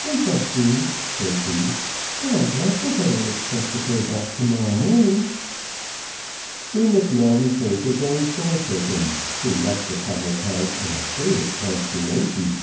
"We shall see," says he; "but I'm blessed if I don't expect the cur back to morrow morning." We must now return to Vanslyperken, who left the public house in a state of consternation.